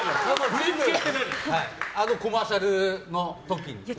コマーシャルの時に。